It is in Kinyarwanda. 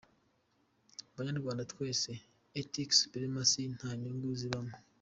Banyarwanda twese, ethnic supremacy nta nyungu zibamo.